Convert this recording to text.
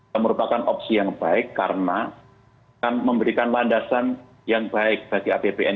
yang merupakan opsi yang baik karena akan memberikan landasan yang baik bagi apbn